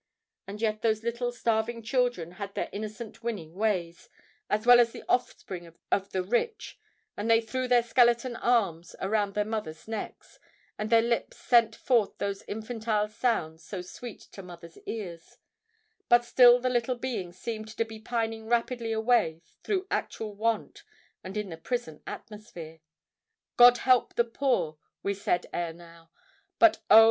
And yet those little, starving children had their innocent winning ways, as well as the offspring of the rich; and they threw their skeleton arms around their mother's necks—and their lips sent forth those infantile sounds so sweet to mothers' ears;—but still the little beings seemed to be pining rapidly away through actual want and in the prison atmosphere! "God help the poor," we said ere now: but, Oh!